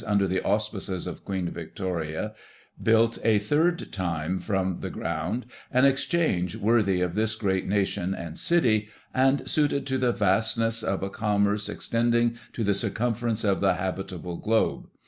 [1842 under the auspices of Queen Victoria, built a third time from the ground, an Exchange, worthy of this great Nation and City, and suited to the vastness of a Commerce extending to the circumference of the habitable Globe.